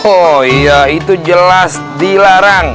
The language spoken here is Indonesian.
oh iya itu jelas dilarang